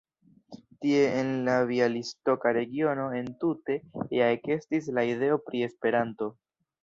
Tie en la bjalistoka regiono entute ja ekestis la ideo pri Esperanto.